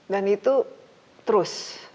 dan itu terus